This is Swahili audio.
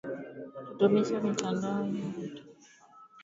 kudumisha mitandao hiyo Hata katika sehemu zenye ufuatiliaji mzuri